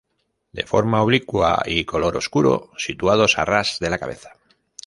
De forma oblicua y color oscuro, situados a ras de la cabeza.